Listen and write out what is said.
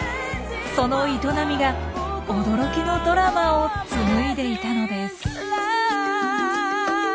その営みが驚きのドラマを紡いでいたのです。